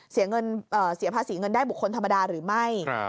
เสียภาษีเงินได้บุคคลธรรมดาหรือไม่